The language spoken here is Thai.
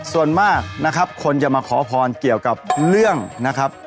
ส่วนมากนะครับคนจะมาขอพรเกี่ยวกับเรื่องนะครับ